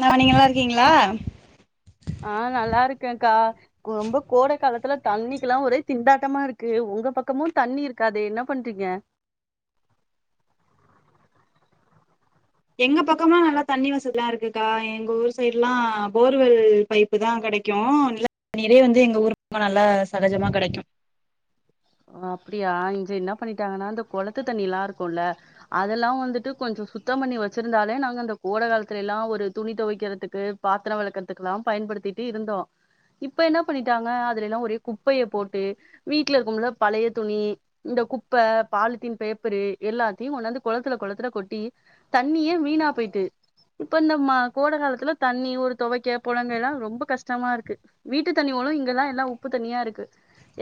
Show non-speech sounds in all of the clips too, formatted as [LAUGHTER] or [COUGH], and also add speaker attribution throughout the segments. Speaker 1: ந நீங்க நல்லா இருக்கீங்களா
Speaker 2: ஆ நல்லா இருக்கக்கா கு ரொம்ப கோட காலத்துல தண்ணிக்குல்லா ஒரே திண்டாட்டமா இருக்கு உங்க பக்கமு தண்ணி இருக்காதே என்ன பண்றீங்க
Speaker 1: எங்க பக்கம் எல்லா நல்லா தண்ணி வசதில்லா இருக்குக்கா எங்க ஊர் சைடு எல்லா போர்வெல் பைப்பு தா கிடைக்கோ [INAUDIBLE] தண்ணிரெ வந்து எங்க ஊர் ரொம்ப நல்லா சகஜமா கிடைக்கோ
Speaker 2: ஓ அப்டியா இங்க என்னா பண்ணிட்டாங்கன்னா இந்த கொளத்து தண்ணி எல்லா இருக்கும்ல்ல அதெல்லா வந்துட்டு கொஞ்சோ சுத்தம் பண்ணி வச்சிருந்தாலே நாங்க அந்த கோட காலத்துல எல்லா ஒரு துணி தொவைக்கிறதுக்கு பாத்ரோ வளக்கறதுக்குல்லா பயன்படுத்திட்டே இருந்தோ இப்ப என்ன பண்ணிட்டாங்க அதுலல்லா ஒரே குப்பய போட்டு வீட்டுல இருக்கும்ல பழய துணி இந்த குப்ப பாலித்தீன் பேப்பரு எல்லாத்தயு கொண்டாந்து கொளத்துல கொளத்துல கொட்டி தண்ணியே வீணாப்போயிட்டு இப்போ இந்த மா கோட காலத்துல தண்ணி ஒரு துவைக்க புழங்க எல்லா ரொம்ப கஷ்டமா இருக்கு வீட்டு தண்ணிங்களு இங்கெல்லா ஒரே உப்பு தண்ணியா இருக்கு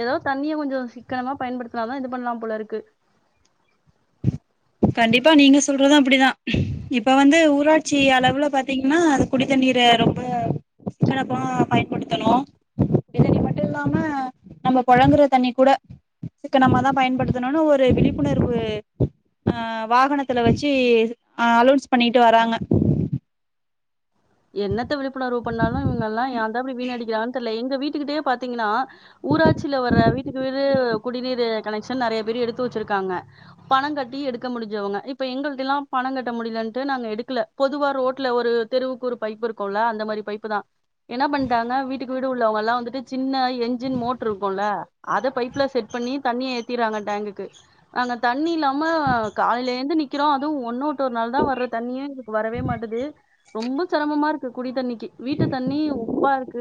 Speaker 2: ஏதோ தண்ணியே கொஞ்சோ சி க்கனமா பயன்படுத்தினாதா இது பண்ணலா போல இருக்கு
Speaker 1: கண்டிப்பா நீங்க சொல்றது அப்டித்தா இப்ப வந்து ஊராட்சி அளவுல பாத்தீங்கன்னா அது குடித்தண்ணீர ரொம்ப சிக்கனமா பயன்படுத்தனோ குடித்தண்ணி மட்டு இல்லாம நம்ம புழங்குற தண்ணி கூட சிக்கனமாதா பயன்படுத்தனோன்னு ஒரு விழிப்புணர்வு ஆ வாகனத்துல வச்சு ஆ அலவுன்ஸ் பண்ணிட்டு வராங்க
Speaker 2: என்னத்த விழிப்புணர்வு பண்ணாலு இவங்களா ஏந்தா இப்டி வீணடிக்கிறாங்கனு தெர்ல எ எங்க வீட்டுக்கிட்டயே பாத்தீங்கன்னா ஊராட்சியில வர வீட்டுக்கு வீடு குடிநீரு கனெக்ஷன் நறய பேர் எடுத்து வெச்சுருக்காங்க பணங்கட்டி எடுக்க முடிஞ்சவங்க இப்ப எங்களுதுலா பணங்கட்ட முடியலன்ட்டு நாங்க எடுக்கல பொதுவா ரோட்ல ஒரு தெருவுக்கு ஒரு பைப்பு இருக்கோல்ல அந்த மாரி பைப்பு தா என்ன பண்ணிட்டாங்க வீட்டுக்கு வீடு உள்ளவங்கல்லா வந்துட்டு சின்ன என்ஜின் மோட்டரு இருக்கோல அத பைப்ல செட் பண்ணி தண்ணிய ஏத்திறாங்க டேங்குக்கு நாங்க தண்ணில்லா மா காலையில இருந்து நிக் க்கிறோ அதுவு ஒன்னு விட்டு ஒரு நாள் தா வர்ற தண்ணியே எங்களுக்கு வரவே மாட்டுது ரொம்ப சிரமமா இருக்கு குடி தண்ணிக் கி வீட்டு தண்ணி உப்பா இருக்கு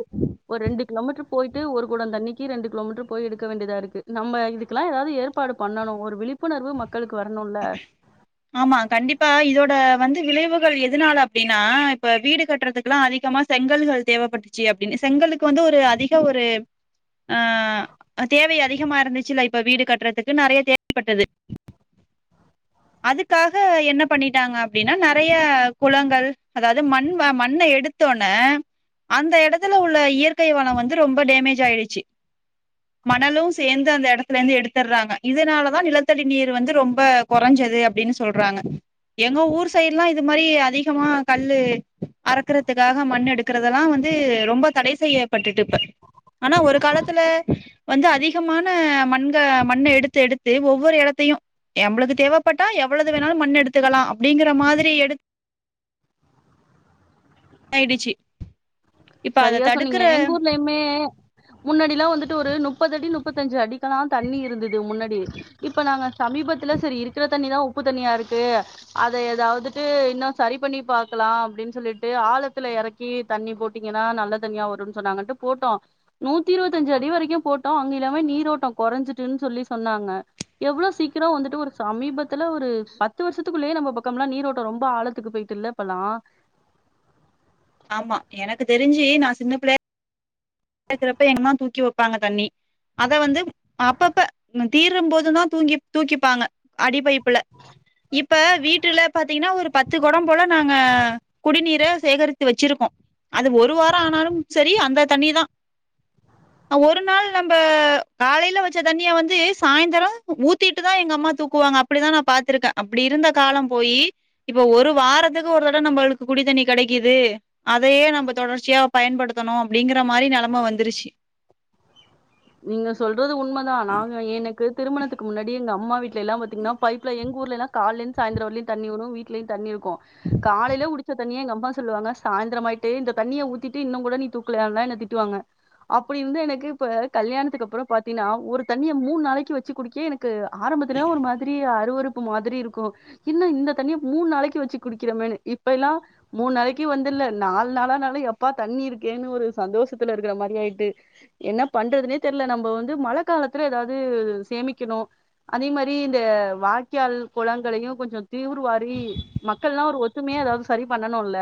Speaker 2: ஒரு ரெண்டு கிலோமீட்ரு போயிட்டு ஒரு கொடோ தண்ணிக்கு ரெண்டு கிலோமீட்டர் போய் எடுக்க வேண்டியதா இருக்கு நம்ம இதுக்கெல்லா ஏதாவது ஏற்பாடு பண்ணணு ஒரு விழிப்புணர்வு மக்
Speaker 1: ஆமா கண்டிப்பா இதோட வந்து விளைவுகள் எதுனால அப்டின்னா இப்ப வீடு கட்டுறதுக்குல்லா அதிகமா செங்கல்கள் தேவைப்பட்டுச்சு அப்டின்னு செங்கலுக்கு வந்து ஒரு அதிக ஒரு ஆ தேவ அதிகமா இருந்துச்சுல்ல இப்ப வீடு கட்டுறதுக்கு நறய தேவைப்பட்டது அதுக்காக என்ன பண்ணிட்டாங்க அப்டின்னா நறய குளங்கள் அதாவது மண் மண்ண எடுத்தோனே அந்த இடத்துல உள்ள இயற்கை வளோ வந்து ரொம்ப டேமேஜ் ஆயிடுச்சு மணலு சேர்ந்து அந்த இடத்துல இருந்து எடுத்துறாங்க இதனாலதா நிலத்தடி நீர் வந்து ரொம்ப கொறஞ்சது அப்டின்னு சொல்றாங்க எங்க ஊர் சைடுலா இது மாரி அதிகமா கல்லு அறக்குறதுக்காக மண் எடுக்கறதெல்லா வந்து ரொம்ப தடை செய்யப்பட்டுட்டு இப்ப ஆனா ஒரு காலத்துல வந்து அதிகமான மண்க மண்ண எடுத்து எடுத்து ஒவ்வொரு இடத்தயு எமளுக்கு தேவைப்பட்டா எவ்வளது வேணாலு மண் எடுத்துக்கலா அப்டிங்கற மாதிரி எடுத் ஆயிடுச்சு இப்ப அத
Speaker 2: சரியா சொன்னீங்க
Speaker 1: தடுக்கற
Speaker 2: எங்க ஊர்லயுமே முன்னாடி எல்லா வந்துட்டு ஒரு முப்பது அடி முப்பத்தஞ்சு அடிக்கெல்லா தண்ணி இருந்துது முன்னாடி இப்ப நாங்க சமீபத்துல சேரி இருக்கற தண்ணி தா உப்பு தண்ணியா இருக்கு அத ஏதாவுது இன்னோ சரி பண்ணி பாக்கலா அப்டின்னு சொல்லிட்டு ஆழத்துல இறக்கி தண்ணி போட் போட்டீங்கன்னா நல்ல தண்ணியா வரும்னு சொன்னாங்கட்டு போட்டோ நூத்தி இருவத்தியஞ்சு அடி வரைக்கோ போட்டோ அங்க எல்லாமே நீரோட்டம் குறைஞ்சிட்டுன்னு சொல்லி சொன்னாங்க எவ்வளவு சீக்கிரோ வந்துட்டு ஒரு சமீபத்துல ஒரு பத்து வருஷத்துக்குள்ளேயே நம்ம பக்கம் எலாம் நீரோட்டம் ரொம்ப ஆழத்துக்கு போயிட்டு இல்லப்பல்லா
Speaker 1: ஆமா எனக்கு தெரிஞ்சு நா சின்ன பிள்ளயா [UNINTELLIGIBLE] கிறப்ப எங்கமா தூக்கி வப்பாங்க தண்ணி அத வந்து அப்பப்ப ம் தீரும் போது தா தூங்கி தூக்கிப்பாங்க அடிப்பைப்புல இப்ப வீட்டுல பாார்த்தீங்கன்னா ஒரு பத்து குடம் போல நாங்க குடிநீரை சேகரித்து வச்சிருக்கோ அது ஒரு வார ஆனாலும் சேரி அந்த தண்ணி தா ஒரு நாள் நம்ம காலையில வச்ச தண்ணிய வந்து சாய்ந்தர ஊத்திட்டுதா எங்க அம்மா தூக்குவாங்க அப்படிதா நா பாார்த்திருக்கே அப்படி இருந்த காலம் போய் இப்ப ஒரு வாரத்துக்கு ஒரு தடம் நம்மளுக்கு குடித்தண்ணி கிடைக்குது அதையே நம்ம தொடர்ச்சியா பயன்படுத்தணு அப்படிங்கிற மாரி நில ஆமா வந்துருச்சு
Speaker 2: நீங்க சொல்றது உண்மைதா நாங்க எனக்கு திருமணத்துக்கு முன்னாடி எங்க அம்மா வீட் எல்லா பாத்தீங்கா பைப்ல எங் ஊர்லல்லா கால இருந்து சாயந்திர வரைலு தண்ணி வரு வீட்டிலையு தண்ணி இருக் காலையில உடிச்ச தண்ணியே எங்க அம்மா சொல்லுவாங்க சாயந்திரமாயட்டு இந்த தண்ணிய ஊத்திட்டு இன்னு கூட தூக்கல திட்டுவாங்க அப்படி இருந்து எனக்கு இப்ப கல்யாணத்துக்கு அப்புறோ பாத்தீங்கன்னா ஒரு தண்ணிய மூண் நாளைக்கு வச்சு குடிக்க எனக் கு ஆரம்பத்துல ஒரு மாதிரி அருவருப் மாதிரி இருக்கு இன்னு இந்த தண்ணிய மூணு நாளைக்கு வச்சு குடிக்கிறமு இப்ப எல்லா மூணு நாளைக்கு வந்துல நாலு நாளானாலு எப்பா தண்ணி இருக்கேன்னு ஒரு சந்தோஷத்துல இருக்கிற மாதிரியிட்டு என்ன பண்றதுனே தெரில நம்ம வந்து மழை காலத்துல ஏதாவது சேமிக்கணு அதே மாரி இந்த வாய்க்கால் குளங்களையு கொஞ்சோ தீவிரவாரி மக்கள் எல்லா ஒரு ஒத் ஒத்துமையா ஏதாவது சரி பண்ணணும்ல்ல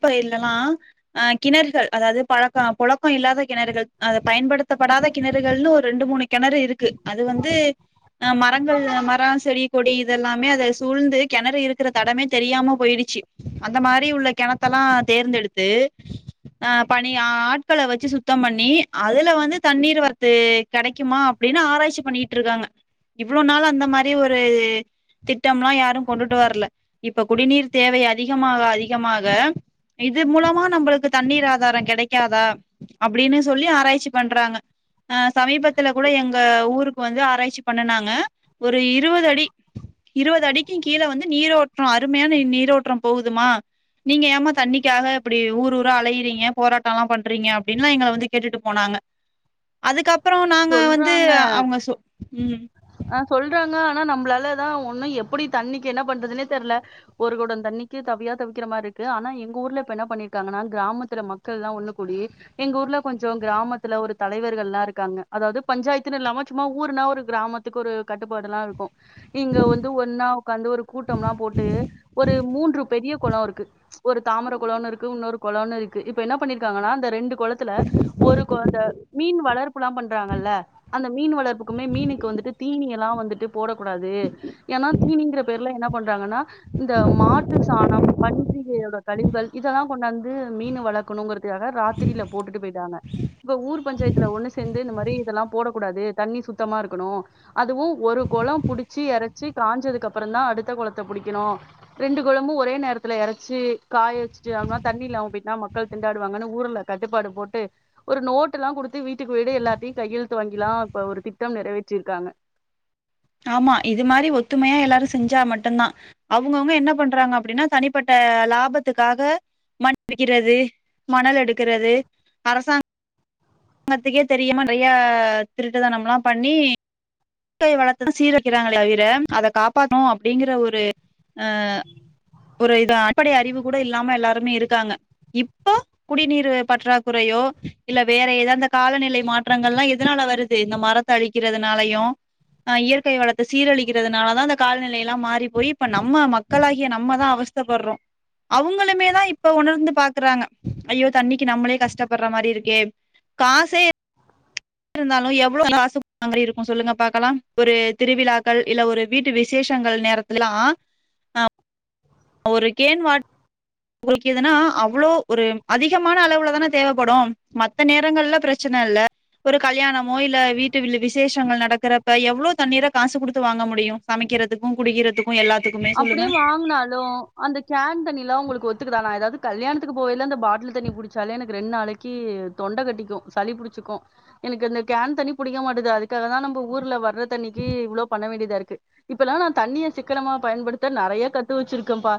Speaker 1: இப்ப இல்லல்லா ஆ கிணறுகள் அதாவது பழக்கம் புழக்க இல்லாத கிணறுகள் அது பயன்படுத்தப்படாத கிணறுகள்ன்னு ஒரு ரெண்டு மூணு கிணறு இருக் க்கு அது வந்து மரங்கள் மரோ செடி கொடி இத எல்லாமே அத சூழ்ந்து கிணறு இருக்கிற தடமே தெரியாம போயிடிச்சி அந்த மாரி உள்ள கிண த்தெல்லா தேர்ந்தெடுத்து அ பனி ஆட்கள வச்சி சுத்தம் பண்ணி அதுல வந்து தண்ணீர் வரத்து கிடைக்குமா அப்பிடின் ஆராய்ச்சி பண்ணிட்டு இருக்காங்க இவ்ளோ நாள் அந்த மாரி ஒரு திட்டம்லா யாரு கொண்டுட்டு வரல இப்ப குடிநீர் தேவை அதிகமாக அதிகமாக இது மூலமா நம்மளுக்கு தண்ணீர் ஆதாரோ கெடைக்காதா அப்பிடின் சொல்லி ஆராய்ச்சி பண்றாங்க ஆ சமீபத்துல கூட எங்க ஊருக் ப்பு வந்து ஆராய்ச்சி பண்ணனாங்க ஒரு இருவது அடி இருவது அடிக்கு கீழ வந்து நீரோற்ற அருமையான நீரோற்றம் போகுதுமா நீங்க ஏமா தண்ணிக்காக இப்பிடி ஊர் ஊரா அலையறீங்க போராட்டல்லா பண்றீங்க அப்பிடின்லா எங்கள வந்து கேட்டுட்டு போனாங்க அதுக்கப் ப்புறோ நாங்க வந்து
Speaker 2: சொல்றாங்க
Speaker 1: அவுங்க சு ம்
Speaker 2: ஆ சொல்றாங்க ஆனா நம்மளாலதா ஒன்னு எப்பிடி தண்ணிக்கு என்ன பண்றதுனே தெரியல ஒரு கொடோ தண்ணிக்கு தவியா தவிக்கிற மாரி இருக்கு ஆனா எங்க ஊர்ல இப்ப என்ன பண்ணிருக்காங்கன்னா கிராமத்துல மக்கள்லா ஒன்னு கூடி எங்க ஊர்ல கொஞ்சோ கிராமத்துல ஒரு தலைவர்கள் எல்லா இருக்காங்க அதாவது பஞ்சாயத்துன்னு இல்லாம சும்மா ஊருன்னா ஒரு கிராம த்துக்கு ஒரு கட்டுப்பாடுல்லா இருக்கு இங்க வந்து ஒன்னா உட்காந்து ஒரு கூட்டம்ல்லா போட்டு ஒரு மூன்று பெரிய குளோ இருக்கு ஒரு தாமரோ குழன்னு இருக்கு இன்னொரு குழம்ன்னு இருக்கு இப்ப என்ன பண்ணிருக்காங்கன்னா அந்த ரெண்டு கொளத்துல ஒரு கொ அந்த மீன் வளர்ப்புல்லா பண்றாங்கல்ல அந்த மீன் வளர்ப்புக்குமே மீனுக்கு வந்துட்டு நீ எல்லா வந்துட்டு போடக்கூடாது ஏன்னா தீனிங்கிற பேர்ல என்ன ந்தாங்கன்னா இந்த மாட்டு சாணம் பண்டிகையோட கழிவுகள் இதெல்லா கொண்டாந் து மீன் வளர்க்கணுங்கிறதுக்க ராத்திரில போட்டுட்டு போயிட்டாங்க இப்ப ஊர் பஞ்சாயத்துல ஒன்னு சேந்து இந்த மாரி தி இதெல்லா போடக்கூடாது தண்ணி சுத்தமா இருக்கணு அதுவு ஒரு குளம் புடிச்சி இறைச்சி காயஞ்சதுக்கு அப்புறதா அடுத்த கொளத்த புடிக்கணு ரெண்டு கொழமு ஒரே நேரத்துல இரைச்சி காய வச்சுட்டுனா தண்ணி இல்லாம போய்டா மக்கள் திண்டாடுவாங்கன்னு ஊர்ல கட்டுப்பாடு போட்டு ஒரு நோட்டு எல்லா குடுத்து வீட்டுக்கு வீடு எல்லாத்தையு கையெழுத்து வாங்கிலா இப்ப ஒரு திட்டம் நிறைவேற்றிரு க்காங்க
Speaker 1: ஆமா இது மாரி ஒத்துமையா எல்லாரு செஞ்சா மட்டுதா அவுங்கவுங்க என்ன பண்றாங்க அப்பிடின்னா தனிப்பட்ட லாபத்துக்காக மண்டிக்கிறது மணல் எடுக்கிறது அரசாங் ங்கத்துக்கே தெரியுமா நெறைய திருட்டுதனம்ல்லா பண்ணி க்கே வளத்ததா சீர வைக்கிறாங்களே தவிர அத காப்பாத்தணு அப்பிடிங்கிற ஒரு அ ஒரு இது அடிப்படை அறிவு கூட இல்லாம எல்லாருமே இரு க்காங்க இப்ப குடிநீர் பற்றாக்குறையோ இல்ல வேற எதா காலநிலை மாற்றங்கல்லா எதனால வருது இந்த மரத்த அழிக்கிறதுனாலையு அ இயற்கை வளத்த சீரழிக்கிறதுனாலதா அந்த கால்நிலையல்லா மாறி போய் இப்ப நம்ம மக்களாகிய நம்மதா அவஸ்தப்பறோ அவுங்களுமேதா இப்ப உணர்ந்து பாக்குறாங்க ஐயோ தண்ணிக்கு நம்மளே கஷ்டப்பற மாரி இருக்கே காசே இருந்தாலு எவ்ளோ காசு மாறி இருக்கு சொல்லுங்க பாக்கலா ஒரு திருவிழாக்கள் இல்ல ஒரு வீட்டு விசேஷங்கள் நேரத்தல்லா அ ஒரு கேன் வாட் உங்களுக்கு எதுனா அவ்ளோ ஒரு அதிகமான அளவுலதான தேவப்படு மத்த நேரங்கள்ல பிரச்சன இல்ல ஒரு கல்யாணமோ இல்ல வீட்டுல்ல விசேஷங்கள் நடக்கறப்ப எவ்ளோ தண்ணீரா காசு குடுத்து வாங்க முடியு சமைக்கிறதுக்கு குடிக்கிறதுக்கு எல்லாத்துக்குமே சொல்லுங்க
Speaker 2: அப்பிடியே வாங்கனாலு அந்த கேன் தண்ணிலா உங்களுக்கு ஒதுக்கிதா நா எதாது கல்யாணதுக் த்துக்கு போய்யல்ல அந்த பாட்ட தண்ணி புடிச்சாலே எனக்கு ரெண்டு நாளைக்கு தொண்ட கட்டிக்கு சளி புடிச்சிக்கு எனக்கு அந்த கேன் தண்ணி புடிக்க மாட்டது அதுக்காகதா நம்ப ஊர்ல வர ற்ற தண்ணிக்கு இவ்ளோ பண்ண வேண்டி த இருக்கு இப்பல்லா நா தண்ணிய சிக்கனமா பயன்படுத்த நிறைய கத்து வச்சிருக்கே பா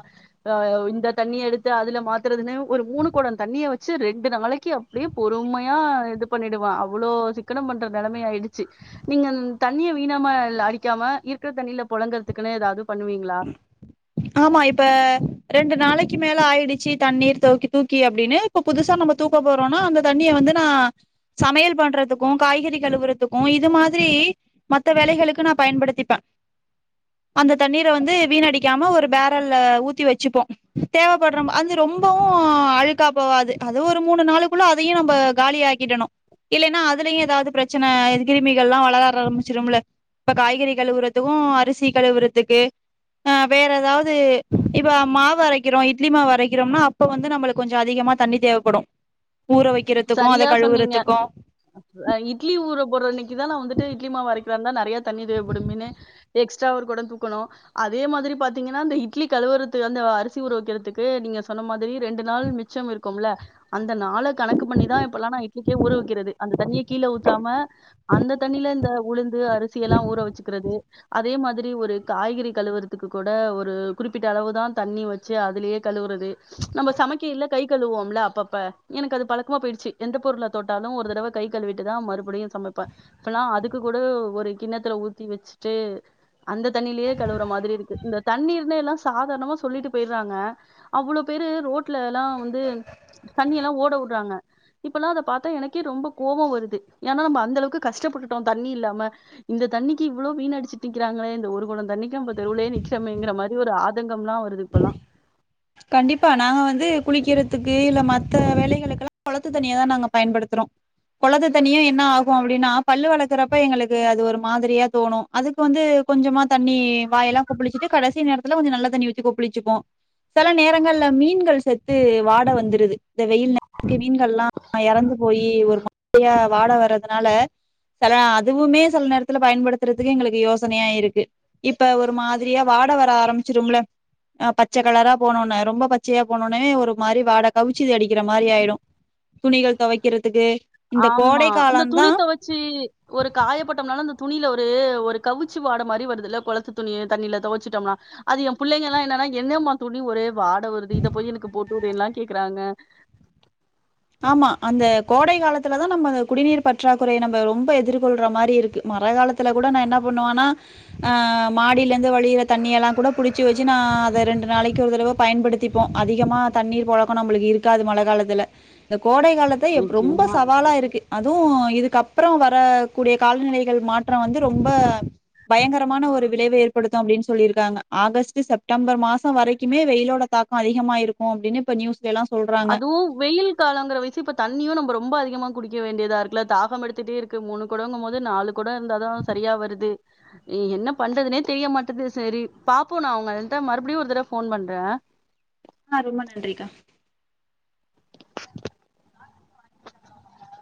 Speaker 2: இந்த தண்ணி எடுத்து அதுல மாத் துறதுன்னு ஒரு மூணு கோட தண்ணிய வச் சு ரெண்டு நாளைக்கு அப்படியே பொறுமையா இது பண்ணிடுவா அவ்வளோ சிக்கனம் பண்ற நிலைமைய ஆயிடுச்சு நீங்க தண்ணியை வீணாம அடிக்காம இருக்கிற தண்ணியில புழங்கறதுக்குன்னு ஏதாவது பண்ணுவீங்களா
Speaker 1: ஆமா இப்ப ரெண்டு நாளைக்கு மேல ஆயிடுச்சு தண்ணீர் தூக்கி தூக்கி அப்படின்னு இப்ப புதுசா நம்ம தூக்க போறோம்னா அந்த தண்ணிய வந்து நா சமையல் பண்றதுக்கு காய்கறி கழுவுறதுக்கு இது மாதிரி மத்ந வேலைகளுக்கு நா பயன்படுத்திப்பே அந்த தண்ணீரை வந்து வீணடிக்காம ஒரு பேரல்ல ஊத்தி வச்சுப்போ தேவைப்படுறோ அது ரொம்பவு அழுகா போவாது அது ஒரு மூணு நாளுக்குள்ள அதையு நம்ம காலியாக்கிடணு இல்லனா அதுலயு ஏதாவது பிரச்சன கிருமிகள் எல்லா வளர ஆரம்பிச்சுடு இல்ல இப்ப காய்கறி கழுவுறதுக்கு அரிசி கழுவுறதுக்கு ஆ வேற ஏதாவது து இப்ப மாவு வரைக்கிறோ இட்லி மாவு அரைக்கிறோம்னா அப்ப வந்து நம்மளுக்கு கொஞ்சோ அதிகமா தண்ணி தேவைப்படு
Speaker 2: சரியா சொன்னீங்க இட்லி ஊற ஒரு அன்னைக்கு தா நா வந்துட்டு இட்லி மா வரைக்கிறந்தா நெறைய தண்ணி தேவைப்படும்னு எக்ஸ்ட்ரா ஒரு கொடோ தூக்கணு அதே மாதிரி பாத்தீங்கன்னா அந்த இட்லி கழுறது அந்த அரிசி உர வக்கிறதுக்கு நீங்க சொன்ன மாதிரி ரெண்டு நாள் மிச்சம் இருக்குமில்ல அந்த நால கணக் க்கு பண்ணிதா இப்பல்லா நா இட்லிகே ஊவிக்கிறது அந்த தண்ண கீழே ஊத்தாம அந்த தண்ணில இந்த உளுந்து அரிசி எல்லா ஊற வச்சுக்கிறது அதே மாதிரி ஒரு காய்கறி கழுவுறதுக்கு கூட ஒரு குறிப்பிட்ட அளவு தா தண்ணி வச்சு அதுலயே கழுற து நம்ம சமைக்க இல்ல கை கழுவோம்ல அப்பப்ப எனக்கு அது பழக் கமா போயிடுச்சு எந்த பொருள தோட்டாலு ஒரு தடவ கை கழுவிட்டுதா மறுபடியு சமைப்பே இப்பல்லா அதுக்கு கூட ஒரு கிண்ணத்துல ஊத்தி வச்சுட்டு அந்த தண்ணியிலேயே கழுவுற மாதிரிக்கு இருக்கு இந்த தண்ணீர்ன எல்லா சாதாரணமா சொல்லிட்டு போயிடுறாங்க அவ்வளோ பேரு ரோட்ல எல்லா வந்து தண்ணிய எல்லா ஓட விடுறாங்க இப்பல்லா அத பாத்தா எனக்கே ரொம்ப கோவோ வருது ஏன்னா நம்ம அந்த அளவுக்கு கஷ்டப்பட்டுட்டோ தண்ணி இல்லாம இந்த தண்ணிக்கு இவ்வளோ வீன் அடிச்சுட்டு நிக்கிறாங்களே இந்த ஒரு கொடோ தண்ணிக்கு நம்ம தெருவுலையே நிறிக்கிறோங்கிற மாரி ஒரு ஆதங் [UNINTELLIGIBLE] ல்லா வருது இப்பல்லா
Speaker 1: கண்டிப்பா நாங்க வந்து குளிக்கிறதுக்கு இல்ல மத்த வேலைகளுக்குல்லா குளத்து தண்ணிய தா நாங்க பயன்படுத்துற குளத்து தண்ணியும் என்ன ஆகும் அப்படின்னா பல்லு வளர்க்கறப்ப எங்களுக்கு அது ஒரு மாதிரியா தோணு அதுக்கு வந்து கொஞ்சமா தண்ணி வாயெல்லா கொப்பளிச்சிட்டு கடைச நேரத்தில கொஞ்சோ நல்ல தண்ணிச் கொப்பளிச்சி போ சில நேரங்கள்ல மீன்கள் சே து வாடை வந்துருது இந்த வெயில் நேரக்கு மீன்கள் எல்லா இறந்து போய் ஒரு மாதிரியா வாடை வரறதுனால சில அதுவுமே சில நேரத்துல பயன்படுத்துறதுக்கு எங்களுக்கு யோசனையா இருக்கு இப்ப ஒரு மாதிரியா வாடை வர ஆரம்பிச்சிரும் இல்ல அ பச்ச கலரா போனோனே ரொம்ப பச்சயா போனோனே ஒரு மாரி வாட கவிச்சுது அடிக்கிற மாரி ஆயிடு துணிகள் துவைக்கிறதுக்கு
Speaker 2: ஆமா இந்த துணி துவச்சி ஒரு காயப்பட்டோம்னால அந்த துணில ஒரு ஒரு கவிச்சு வாட மாரி வருதுல்ல குளத்து துணி தண்ணியில துவைச்சுட்டோம்னா அது என் பிள்ளைங்க எல்லா என்னன்னா என்னம்மா துணி ஒரே வாட வருது இத போய் எனக்கு போட்டு விடுறேன்னு எல்ல கேக்குறாங்க
Speaker 1: ஆமா அந்த கோடை காலத்துலதா நம்ம அந்த குடிநீர் பற்றாக்குறைய நம்ம ரொம்ப எதிர்கொள்ற மாரி இருக்கு மழை காலத்துல கூட நா என்ன பண்ணுவனா ஆ மாடியில இருந்து வழியற தண்ணி எல்லா கூட புடிச்சு வச்சு நா அத ரெண்டு நாளைக்கு ஒரு தடவ பயன்படுத்திப்போ அதிகமா தண்ணீர் பழக்க நம்மளுக்கு இருக்காது மழ காலத்துல இந்த கோடை காலத்த ரொம்ப
Speaker 2: நிச்சயமா.
Speaker 1: சவாலா இருக்கு அ அதுவு இதுக்கப்புற வரக்கூடிய காலநிலைகள் மாற்ற வந்து ரொம்ப பயங்கரமான ஒரு விளைவ ஏற்படுத்து அப்படின்னு சொல்லிருக்காங்க ஆகஸ்ட் செப்டம்பர் மாசம் வரைக்குமே வெயிலோட தாக்க அதிகமா இருக்கு அப்படின்னு இப்ப நியூஸ்
Speaker 2: அதுவு வெயில் காலங்கற வி ச்சி இப்ப தண்ணியு நம்ம ரொம்ப அதிகமா குடிக்க வேண்டியதா இருக்குல்ல தாகம் எடுட்டே இருக்கு மூணு கொடோங்கும் போது நாலு கொடோ இருந்தாதா சரியா வருது நீ என்ன பண்றதுனே தெரிய மாட்டது சரி பாப்போ நா உ ந்ட்ட மறுபடியு ஒரு தரவ ஃபோன் பண்றே
Speaker 1: ஆ ரொம்ப நன்றிக்கா